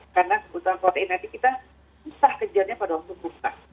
karena kebutuhan protein nanti kita susah kejarnya pada waktu buka